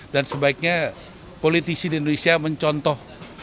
dan sebaiknya politisi di indonesia mencontoh